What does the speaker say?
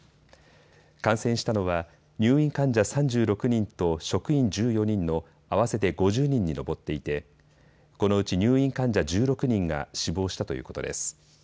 感染したのは入院患者３６人と職員１４人の合わせて５０人に上っていてこのうち入院患者１６人が死亡したということです。